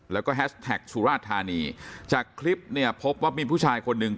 แล้วก็แฮชแท็กสุราชธานีจากคลิปเนี่ยพบว่ามีผู้ชายคนหนึ่ง